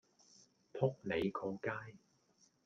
仆你個街